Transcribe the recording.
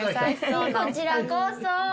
こちらこそ。